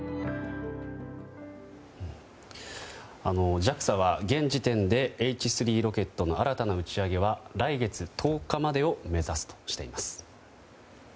ＪＡＸＡは、現時点でＨ３ロケットの新たな打ち上げは来月１０日までを目指すとしています。